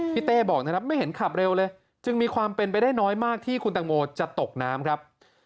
เต้บอกนะครับไม่เห็นขับเร็วเลยจึงมีความเป็นไปได้น้อยมากที่คุณตังโมจะตกน้ำครับ